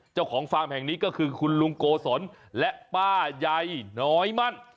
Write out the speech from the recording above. ฟาร์มแห่งนี้ก็คือคุณลุงโกศลและป้าใยน้อยมั่น